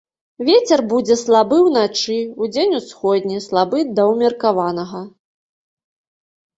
Вецер будзе слабы ўначы, удзень усходні, слабы да ўмеркаванага.